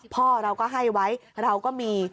พ่อเราก็ให้ไว้เราก็มี